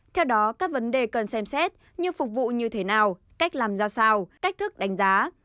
theo đó các vấn đề cần xem xét như phục vụ như thế nào cách làm ra sao cách thức đánh giá